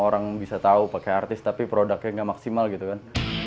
orang bisa tahu pakai artis tapi produknya nggak maksimal gitu kan